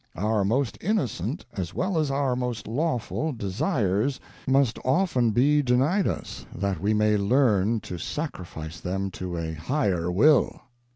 Our most innocent as well as our most lawful desires must often be denied us, that we may learn to sacrifice them to a Higher will."